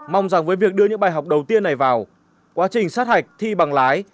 mong rằng với việc đưa những bài học đầu tiên này vào quá trình sát hạch thi bằng lái